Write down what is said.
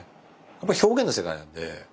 やっぱり表現の世界なんで。